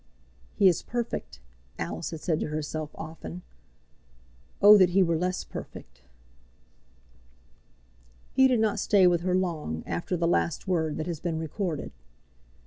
"He is perfect!" Alice had said to herself often. "Oh that he were less perfect!" He did not stay with her long after the last word that has been recorded.